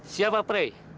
siap pak prey